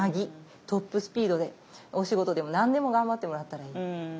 トップスピードでお仕事でも何でも頑張ってもらったらいい。